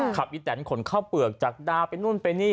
อีแตนขนข้าวเปลือกจากดาวไปนู่นไปนี่